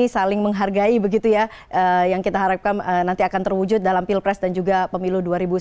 jadi saling menghargai begitu ya yang kita harapkan nanti akan terwujud dalam pilpres dan juga pemilu dua ribu sembilan belas